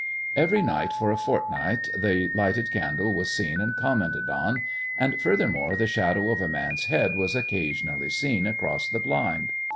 Every night for a fortnight the lighted candle was seen and commented on, and, furthermore, the shadow of a man's head was occasionally seen across the blind.